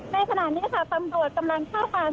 ในขณะนี้ค่ะตำรวจกำลังเข้ามา